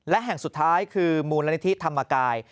และแห่งสุดท้ายคือมูลนิธิธรรมกาย